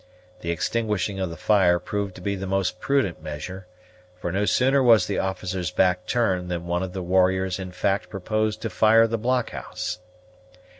The extinguishing of the fire proved to be the most prudent measure; for no sooner was the officer's back turned than one of the warriors in fact proposed to fire the blockhouse.